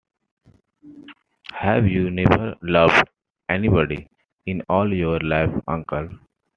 Have you never loved anybody in all your life, uncle?